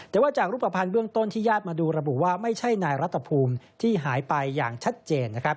แต่ว่าจากรูปภัณฑ์เบื้องต้นที่ญาติมาดูระบุว่าไม่ใช่นายรัฐภูมิที่หายไปอย่างชัดเจนนะครับ